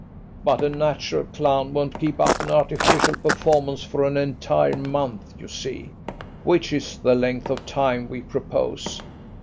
But a natural clown won't keep up an artificial performance for an entire month, you see; which is the length of time we propose.